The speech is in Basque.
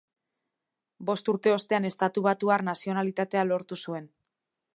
Bost urte ostean estatubatuar nazionalitatea lortu zuen.